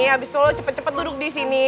abis itu lu cepet cepet duduk disini